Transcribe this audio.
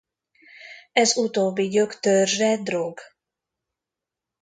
Ez utóbbi gyöktörzse drog.